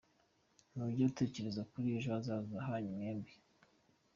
Ntujya utekereza kuri ejo hazaza hanyu mwembi.